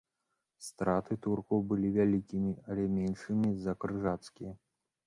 Страты туркаў былі вялікімі, але меншымі за крыжацкія.